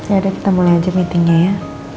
yaudah kita mulai aja meetingnya ya